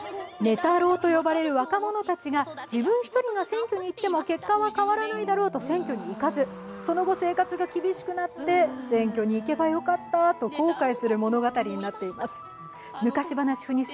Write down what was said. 太郎と呼ばれる若本たちが自分１人が選挙に行っても結果は変わらないだろうと選挙に行かず、その後生活が厳しくなって、選挙に行けばよかったと公開する物語になっています。